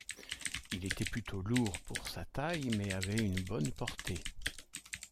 Il était plutôt lourd pour sa taille, mais avait une bonne portée.